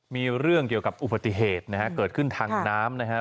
มีเรื่องเกี่ยวกับอุบัติเหตุนะฮะเกิดขึ้นทางน้ำนะครับ